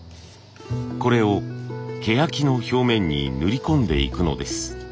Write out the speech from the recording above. これをケヤキの表面に塗り込んでいくのです。